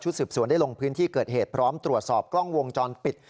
สืบสวนได้ลงพื้นที่เกิดเหตุพร้อมตรวจสอบกล้องวงจรปิด